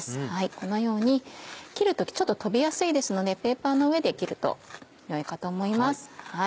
このように切る時ちょっと飛びやすいですのでペーパーの上で切るとよいかと思います。